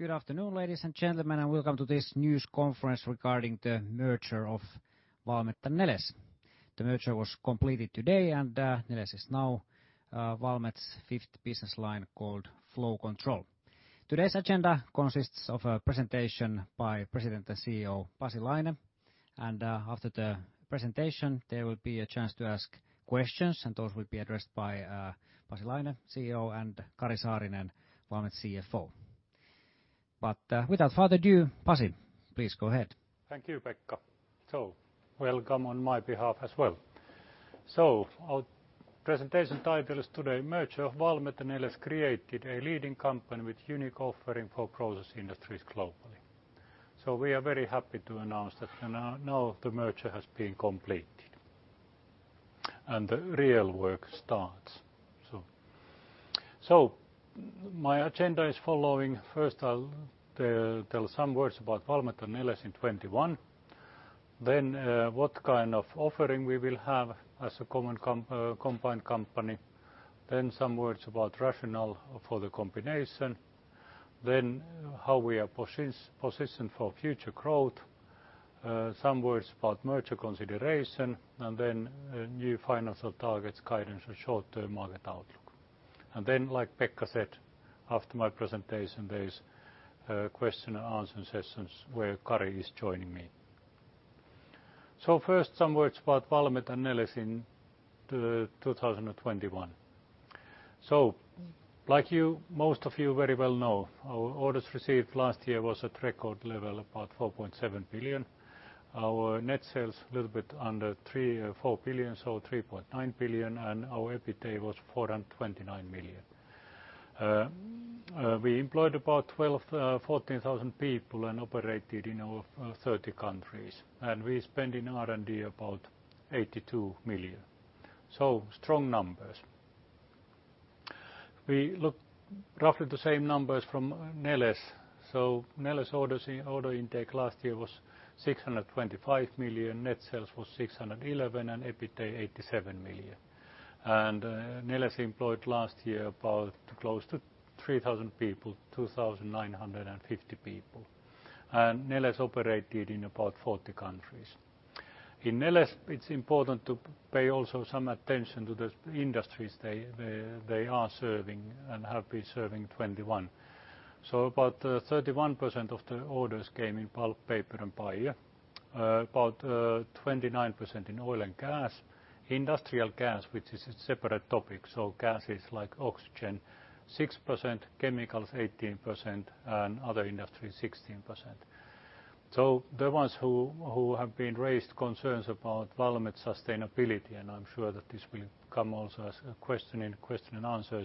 Good afternoon, ladies and gentlemen, and welcome to this news conference regarding the merger of Valmet and Neles. The merger was completed today, and Neles is now Valmet's fifth business line called Flow Control. Today's agenda consists of a presentation by President and CEO Pasi Laine, and after the presentation, there will be a chance to ask questions, and those will be addressed by Pasi Laine, CEO, and Kari Saarinen, Valmet CFO. Without further ado, Pasi, please go ahead. Thank you, Pekka. Welcome on my behalf as well. Our presentation title is today Merger of Valmet and Neles created a leading company with unique offering for process industries globally. We are very happy to announce that now the merger has been completed and the real work starts. My agenda is following. First, I'll tell some words about Valmet and Neles in 2021. Then what offering we will have as a combined company. Then some words about rationale for the combination. Then how we are positioned for future growth. Some words about merger consideration and then new financial targets, guidance for short-term market outlook. Like Pekka said, after my presentation, there is a question and answer session where Kari is joining me. First, some words about Valmet and Neles in 2021. Most of you very well know, our orders received last year was at record level, about 4.7 billion. Our net sales a little bit under 4 billion, so 3.9 billion, and our EBITDA was 429 million. We employed about 14,000 people and operated in over 30 countries, and we spend in R&D about 82 million. Strong numbers. We look roughly the same numbers from Neles. Neles order intake last year was 625 million, net sales was 611 million, and EBITDA 87 million. Neles employed last year about close to 3,000 people, 2,950 people. Neles operated in about 40 countries. In Neles, it's important to pay also some attention to the industries they are serving and have been serving in 2021. About 31% of the orders came in pulp, paper and bio. About 29% in oil and gas. Industrial gas, which is a separate topic, so gases like oxygen, 6%, chemicals 18%, and other industry 16%. The ones who have raised concerns about Valmet sustainability, and I'm sure that this will come also as a question in Q&A,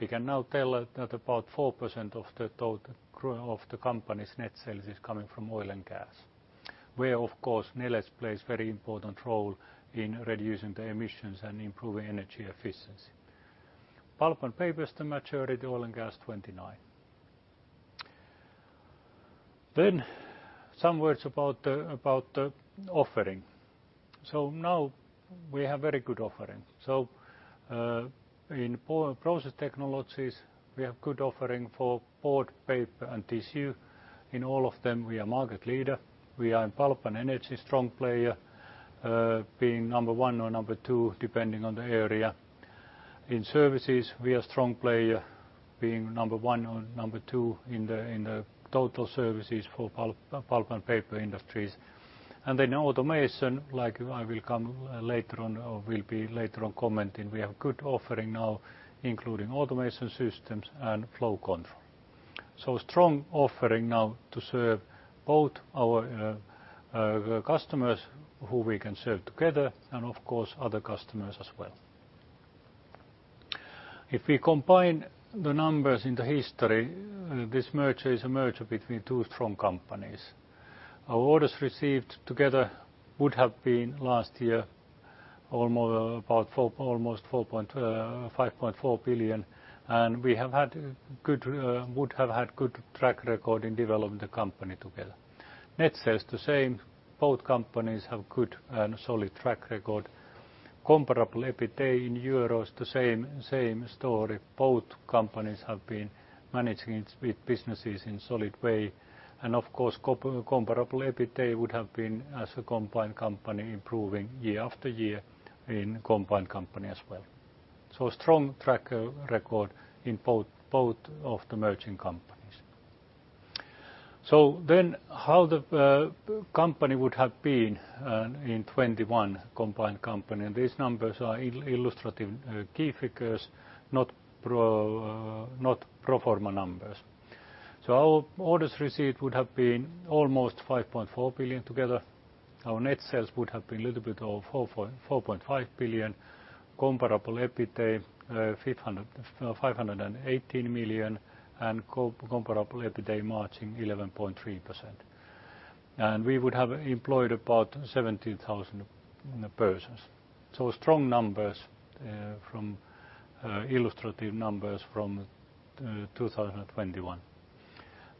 we can now tell that about 4% of the total growth of the company's net sales is coming from oil and gas, where of course Neles plays very important role in reducing the emissions and improving energy efficiency. Pulp and paper is the majority, oil and gas 29%. Some words about the offering. Now we have very good offering. In process technologies, we have good offering for board, paper, and tissue. In all of them, we are market leader. We are in pulp and energy strong player, being number 1 or number 2 depending on the area. In services, we are strong player being number 1 or number 2 in the total services for pulp and paper industries. Automation, like I will come later on or will be later on commenting, we have good offering now including Automation Systems and Flow Control. Strong offering now to serve both our customers who we can serve together and of course other customers as well. If we combine the numbers in the history, this merger is a merger between two strong companies. Our orders received together would have been last year almost 5.4 billion, and we would have had good track record in developing the company together. Net sales the same, both companies have good and solid track record. Comparable EBITDA in euros, the same story. Both companies have been managing its businesses in solid way. Of course, comparable EBITDA would have been as a combined company improving year after year in combined company as well. Strong track record in both of the merging companies. How the company would have been in 2021 combined company, and these numbers are illustrative key figures, not pro forma numbers. Our orders received would have been almost 5.4 billion together. Our net sales would have been a little bit over 4.5 billion. Comparable EBITDA, 518 million and comparable EBITDA margin 11.3%. We would have employed about 70,000 persons. Strong numbers from illustrative numbers from 2021.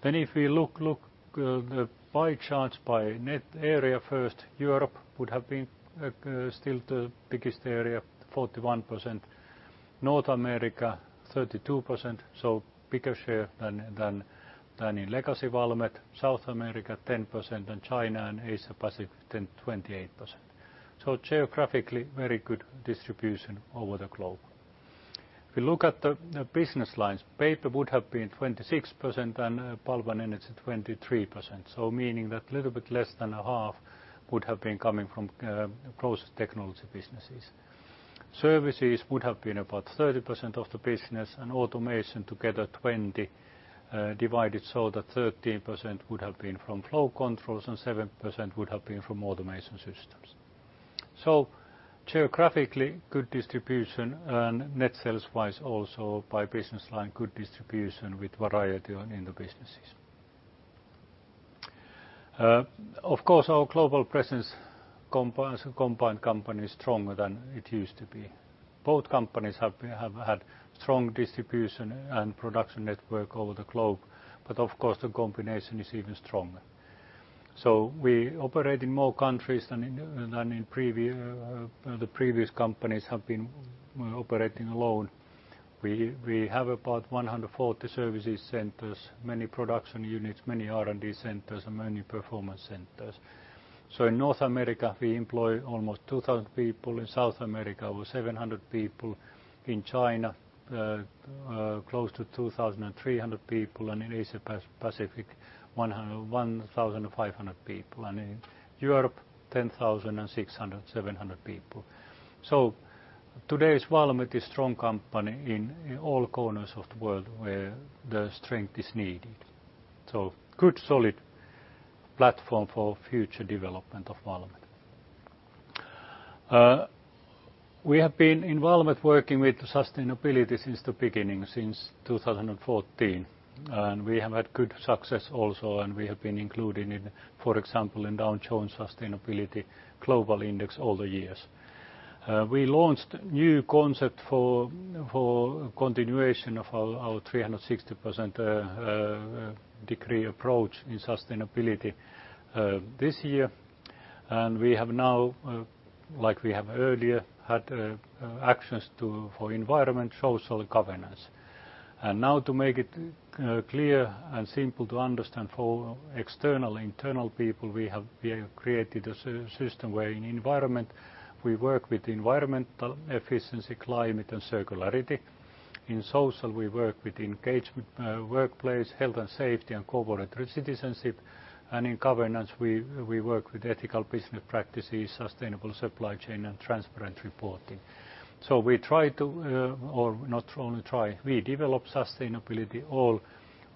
If we look the pie charts by net area first, Europe would have been still the biggest area, 41%. North America, 32%, so bigger share than in legacy Valmet. South America, 10%, and China and Asia Pacific, then 28%. Geographically, very good distribution over the globe. If we look at the business lines, paper would have been 26% and pulp and energy, 23%. Meaning that little bit less than a half would have been coming from process technology businesses. Services would have been about 30% of the business and Automation together 20%, divided so that 13% would have been from Flow Control and 7% would have been from Automation Systems. Geographically, good distribution and net sales wise also by business line, good distribution with variety in the businesses. Of course, our global presence as a combined company is stronger than it used to be. Both companies have had strong distribution and production network over the globe, but of course, the combination is even stronger. We operate in more countries than the previous companies have been operating alone. We have about 140 service centers, many production units, many R&D centers, and many performance centers. In North America, we employ almost 2,000 people, in South America, over 700 people, in China, close to 2,300 people, and in Asia Pacific, 1,150 people, and in Europe, 10,670 people. Today's Valmet is a strong company in all corners of the world where the strength is needed. Good solid platform for future development of Valmet. We have been in Valmet working with sustainability since the beginning, since 2014, and we have had good success also, and we have been included in, for example, in Dow Jones Sustainability World Index all the years. We launched a new concept for continuation of our 360-degree approach in sustainability this year. We have now, as we have earlier had, actions for environment, social governance. Now to make it clear and simple to understand for external internal people, we have created a system where in environment, we work with environmental efficiency, climate, and circularity. In social, we work with engagement, workplace, health and safety, and corporate citizenship. In governance, we work with ethical business practices, sustainable supply chain, and transparent reporting. We develop sustainability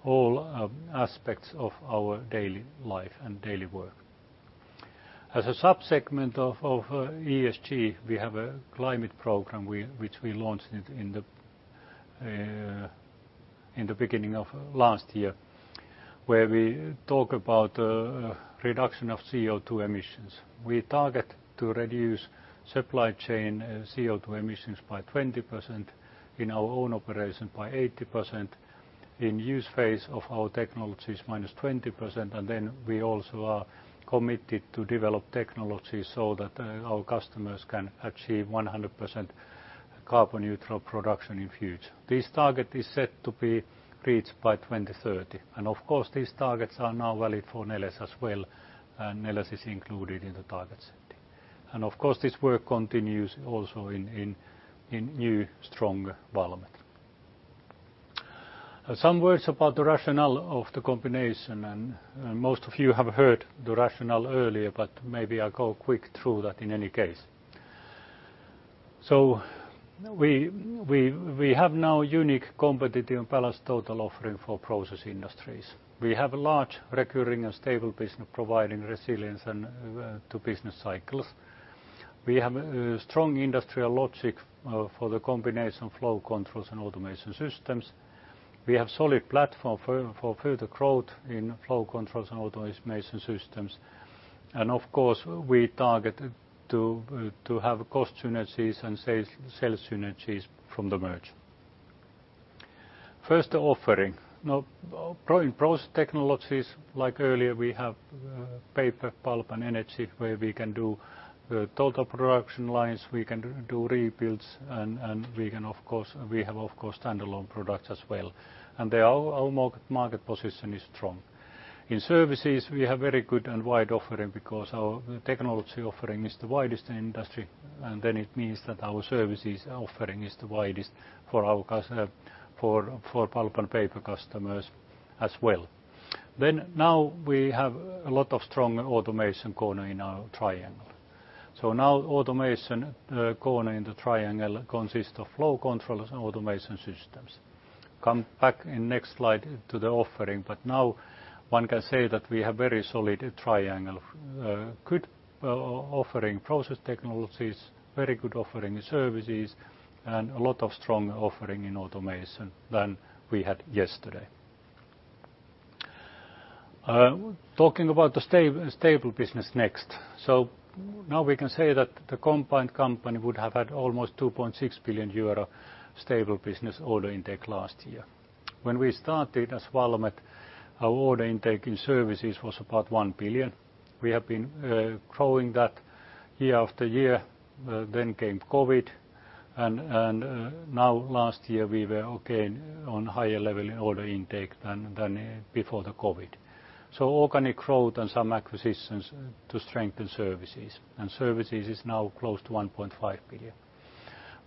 all aspects of our daily life and daily work. As a subsegment of ESG, we have a climate program which we launched in the beginning of last year, where we talk about reduction of CO2 emissions. We target to reduce supply chain CO2 emissions by 20%, in our own operation by 80%, in use phase of our technologies, -20%, and then we also are committed to develop technology so that our customers can achieve 100% carbon neutral production in future. This target is set to be reached by 2030. Of course, these targets are now valid for Neles as well, and Neles is included in the target setting. Of course, this work continues also in new strong Valmet. Some words about the rationale of the combination, and most of you have heard the rationale earlier, but maybe I go quick through that in any case. We have now unique competitive and balanced total offering for process industries. We have a large recurring and stable business providing resilience to business cycles. We have a strong industrial logic for the combination of Flow Control and Automation Systems. We have solid platform for further growth in Flow Control and Automation Systems. Of course, we target to have cost synergies and sales synergies from the merger. First, the offering. Now, in process technologies, like earlier, we have paper, pulp, and energy, where we can do total production lines, we can do rebuilds, and we, of course, have standalone products as well. Their market position is strong. In services, we have very good and wide offering because our technology offering is the widest in industry, and then it means that our services offering is the widest for our pulp and paper customers as well. Now we have very strong automation corner in our triangle. Now automation corner in the triangle consists of Flow Control and Automation Systems. Come back in next slide to the offering, but now one can say that we have very solid triangle, good offering process technologies, very good offering services, and very strong offering in automation than we had yesterday. Talking about the stable business next. Now we can say that the combined company would have had almost 2.6 billion euro stable business order intake last year. When we started as Valmet, our order intake in services was about 1 billion. We have been growing that year after year, then came COVID and now last year we were again on higher level in order intake than before the COVID. Organic growth and some acquisitions to strengthen services, and services is now close to 1.5 billion.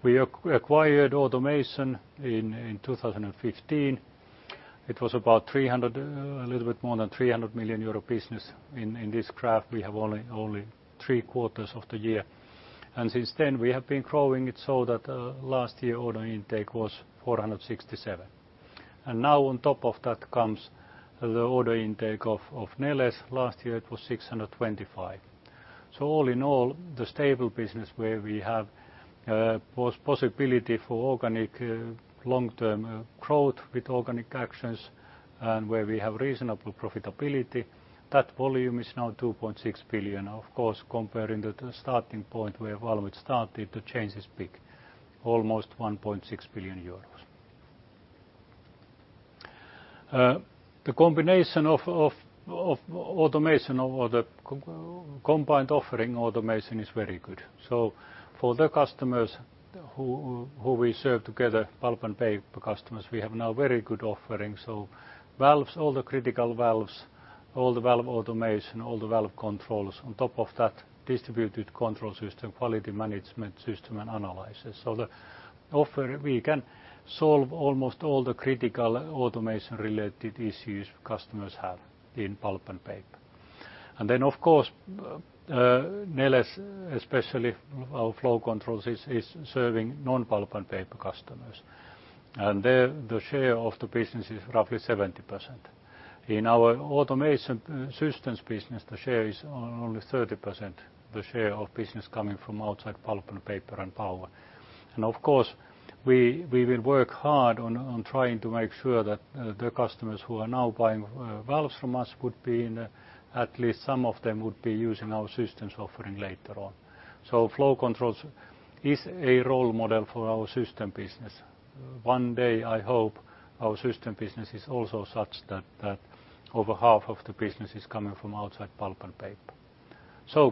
We acquired Automation in 2015. It was about a little bit more than 300 million euro business. In this graph, we have only three quarters of the year. Since then we have been growing it so that last year order intake was 467 million. Now on top of that comes the order intake of Neles. Last year it was 625 million. All in all, the stable business where we have possibility for organic long-term growth with organic actions and where we have reasonable profitability, that volume is now 2.6 billion. Of course, comparing the starting point where Valmet started, the change is big, almost 1.6 billion euros. The combination of automation or the combined offering automation is very good. For the customers who we serve together, pulp and paper customers, we have now very good offering. All the critical valves, all the valve automation, all the valve controls. On top of that, distributed control system, quality management system and analysis. The offer, we can solve almost all the critical automation-related issues customers have in pulp and paper. Then of course, Neles, especially our flow controls is serving non-pulp and paper customers. There the share of the business is roughly 70%. In our Automation Systems business, the share is only 30%, the share of business coming from outside pulp and paper and power. Of course, we will work hard on trying to make sure that the customers who are now buying valves from us would be in, at least some of them would be using our systems offering later on. Flow Control is a role model for our systems business. One day I hope our systems business is also such that over half of the business is coming from outside pulp and paper.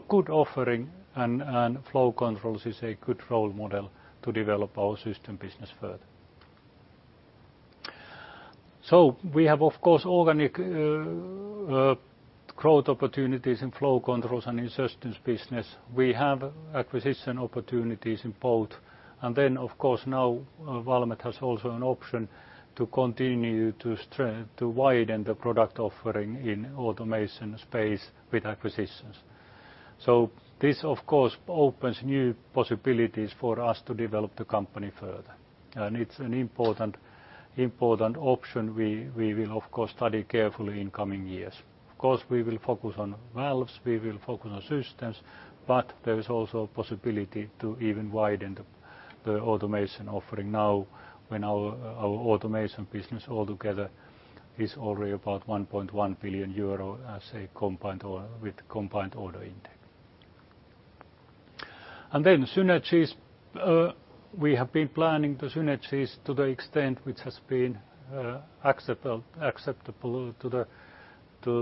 Good offering and Flow Control is a good role model to develop our systems business further. We have, of course, organic growth opportunities in Flow Control and in systems business. We have acquisition opportunities in both. Of course, now Valmet has also an option to continue to widen the product offering in automation space with acquisitions. This of course opens new possibilities for us to develop the company further. It's an important option we will of course study carefully in coming years. Of course, we will focus on valves, we will focus on systems, but there is also a possibility to even widen the automation offering now when our automation business altogether is already about 1.1 billion euro as a combined with combined order intake. Synergies, we have been planning the synergies to the extent which has been acceptable to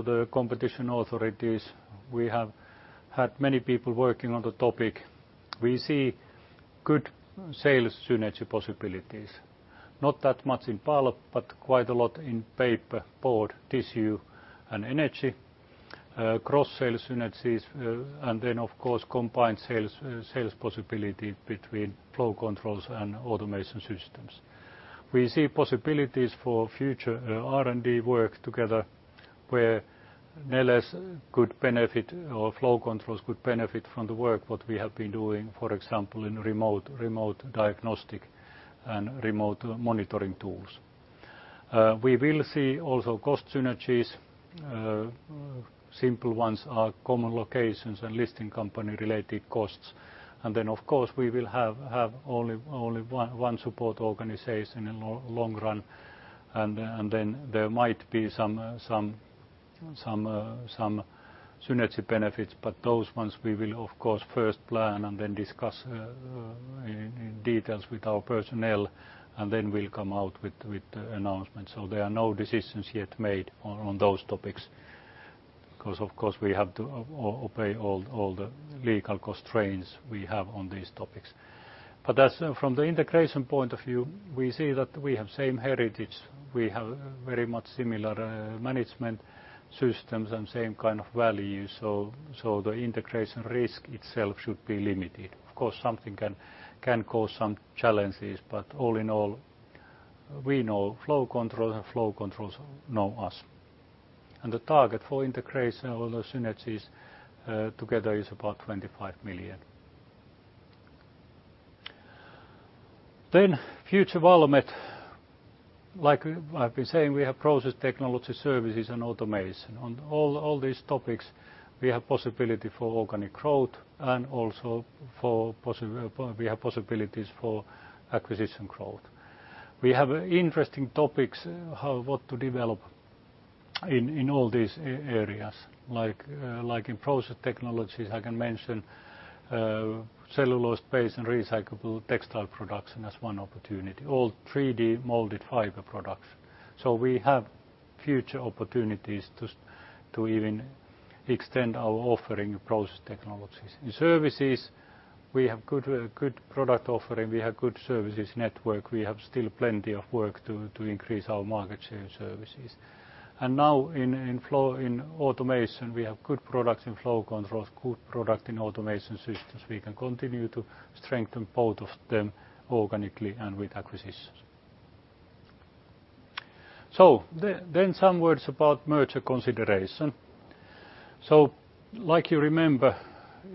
the competition authorities. We have had many people working on the topic. We see good sales synergy possibilities, not that much in pulp, but quite a lot in paper, board, tissue and energy, cross-sales synergies, and then of course, combined sales possibility between flow controls and automation systems. We see possibilities for future, R&D work together where Neles could benefit or flow controls could benefit from the work what we have been doing, for example, in remote diagnostic and remote monitoring tools. We will see also cost synergies, simple ones are common locations and listing company related costs. Of course, we will have only one support organization in long run. There might be some synergy benefits, but those ones we will of course first plan and then discuss in detail with our personnel, and then we'll come out with the announcement. There are no decisions yet made on those topics because of course, we have to obey all the legal constraints we have on these topics. As from the integration point of view, we see that we have same heritage, we have very much similar management systems and same values. The integration risk itself should be limited. Of course, something can cause some challenges, but all in all, we know Flow Control and Flow Control knows us. The target for integration or the synergies together is about 25 million. Future of Valmet, I've been saying, we have process technology, services and automation. On all these topics, we have possibility for organic growth and also we have possibilities for acquisition growth. We have interesting topics what to develop in all these areas, like in process technologies, I can mention cellulose-based and recyclable textile production as one opportunity or 3D molded fiber products. We have future opportunities to even extend our offering process technologies. In services, we have good product offering, we have good services network, we have still plenty of work to increase our market share in services. Now, in automation, we have good products in Flow Control, good product in Automation Systems. We can continue to strengthen both of them organically and with acquisitions. Then some words about merger consideration. Like you remember,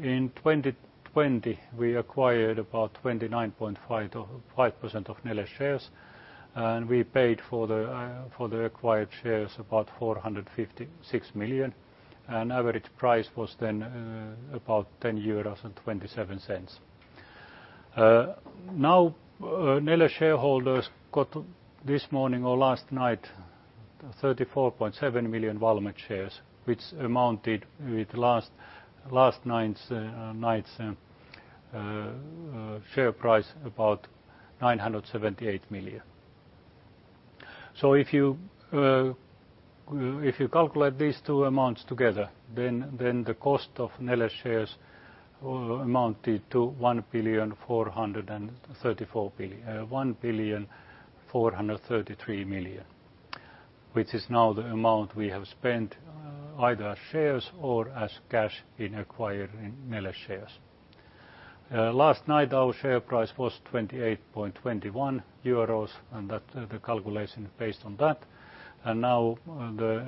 in 2020, we acquired about 29.5% of Neles shares, and we paid for the acquired shares 456 million. Average price was then about 10.27 euros. Neles shareholders got this morning or last night 34.7 million Valmet shares, which amounted to last night's share price about 978 million. If you calculate these two amounts together, then the cost of Neles shares amounted to 1,433 million, which is now the amount we have spent either as shares or as cash in acquiring Neles shares. Last night, our share price was 28.21 euros, and that the calculation based on that. Now the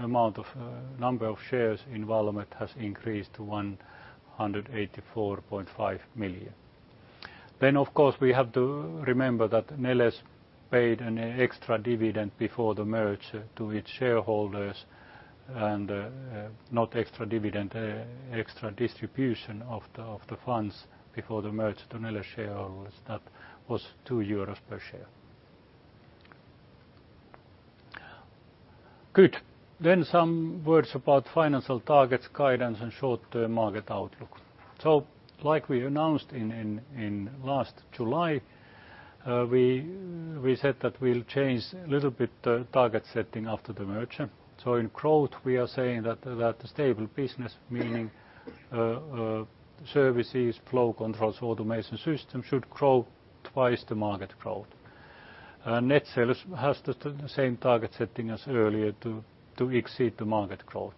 number of shares in Valmet has increased to 184.5 million. Of course, we have to remember that Neles paid an extra dividend before the merger to its shareholders, and extra distribution of the funds before the merger to Neles shareholders. That was 2 euros per share. Good. Some words about financial targets, guidance, and short-term market outlook. Like we announced in last July, we said that we'll change a little bit the target setting after the merger. In growth, we are saying that the stable business, meaning services, Flow Control, Automation Systems, should grow twice the market growth. Net sales has the same target setting as earlier to exceed the market growth.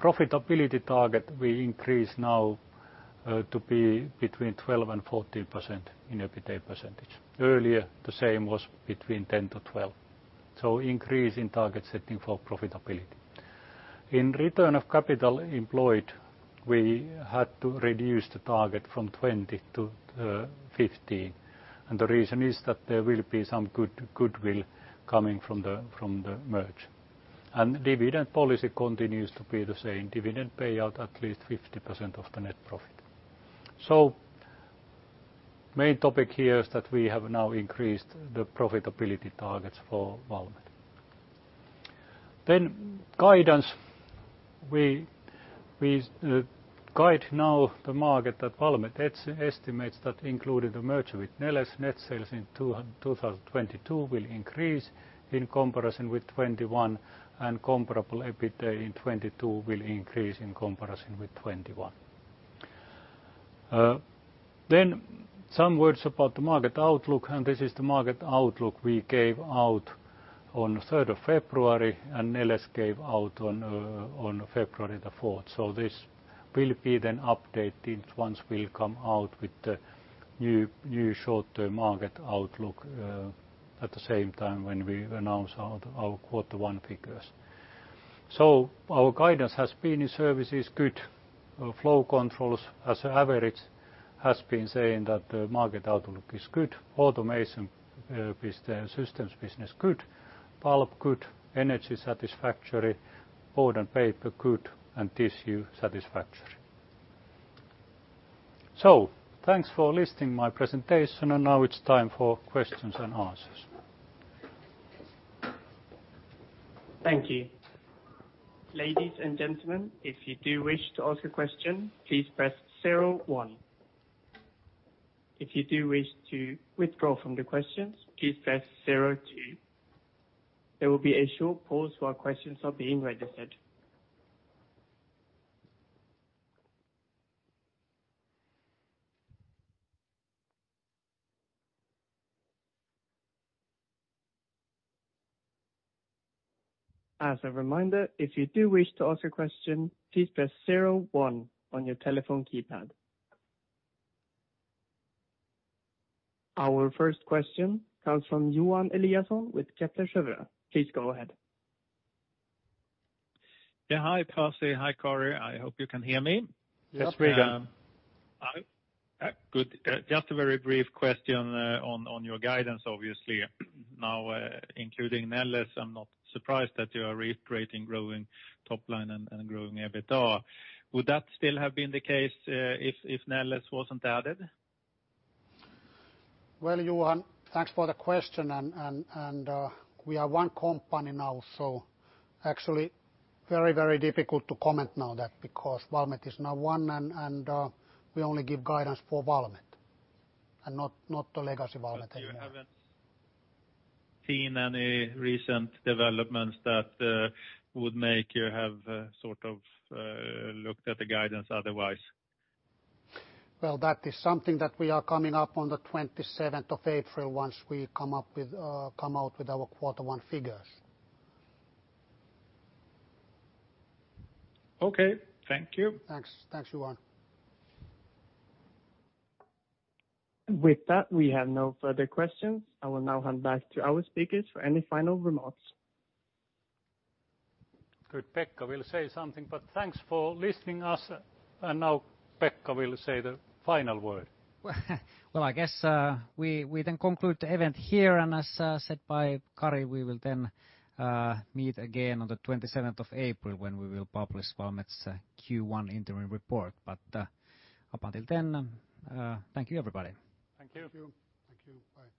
Profitability target will increase now to be between 12%-14% in EBITDA percentage. Earlier, the same was 10%-12%. Increase in target setting for profitability. In return of capital employed, we had to reduce the target from 20% to 15%. The reason is that there will be some goodwill coming from the merge. Dividend policy continues to be the same, dividend payout at least 50% of the net profit. Main topic here is that we have now increased the profitability targets for Valmet. Guidance. We guide now the market that Valmet estimates that including the merger with Neles net sales in 2022 will increase in comparison with 2021, and comparable EBITDA in 2022 will increase in comparison with 2021. Some words about the market outlook, and this is the market outlook we gave out on the third of February and Neles gave out on February 4th. This will be updated once we come out with the new short-term market outlook at the same time when we announce our Q1 figures. Our guidance has been in services good. Flow control as an average has been saying that the market outlook is good. Automation systems business, good. Pulp, good. Energy, satisfactory. Board and paper, good. Tissue, satisfactory. Thanks for listening to my presentation, and now it's time for questions and answers. Our first question comes from Johan Eliason with Kepler Cheuvreux. Please go ahead. Yes. Hi, Pasi. Hi, Kari. I hope you can hear me. Yes, we can. Hi. Just a very brief question on your guidance obviously. Now, including Neles, I'm not surprised that you are reiterating growing top line and growing EBITDA. Would that still have been the case, if Neles wasn't added? Well, Johan, thanks for the question. We are one company now, so actually very difficult to comment now that because Valmet is now one and we only give guidance for Valmet and not the legacy Valmet anymore. You haven't seen any recent developments that would make you have looked at the guidance otherwise? Well, that is something that we are coming up on April 27th once we come out with our Q1 figures. Okay. Thank you. Thanks, Johan. With that, we have no further questions. I will now hand back to our speakers for any final remarks. Good. Pekka will say something, but thanks for listening to us. Now Pekka will say the final word. Well, we then conclude the event here. As said by Kari, we will then meet again on April 27th when we will publish Valmet's Q1 interim report. Until then, thank you, everybody. Thank you. Thank you. Thank you. Bye.